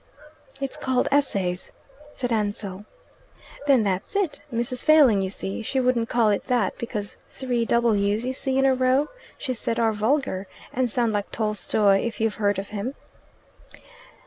"It's called 'Essays,'" said Ansell. "Then that's it. Mrs. Failing, you see, she wouldn't call it that, because three W's, you see, in a row, she said, are vulgar, and sound like Tolstoy, if you've heard of him."